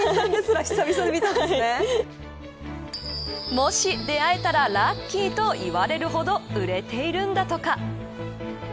もし出会えたらラッキーといわれるほど売れているんだとか。